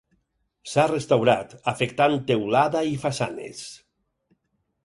S'ha restaurat, afectant teulada i façanes.